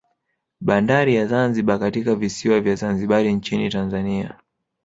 Bandari ya Zanzibar katika visiwa vya Zanzibari nchini Tanzania